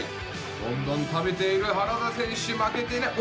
どんどん食べている腹田選手負けていない。